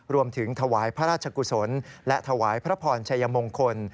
รวมถึงถวายพระราชกุศลและถวายพระพรชัยมงคล